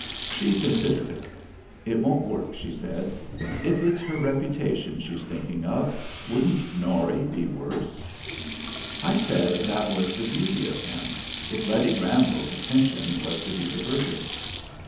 She considered it. "It won't work," she said. "If it's her reputation she's thinking of, wouldn't Norry be worse?" I said that was the beauty of him, if Letty Granville's attention was to be diverted.